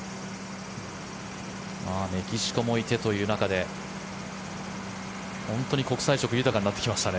メキシコもいてという中で本当に上位、国際色豊かになってきましたね。